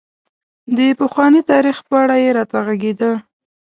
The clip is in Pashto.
د پخواني تاريخ په اړه یې راته غږېده.